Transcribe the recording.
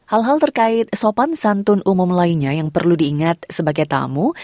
hal hal terkait sopan santun umum lainnya yang perlu diingat sebagai tamu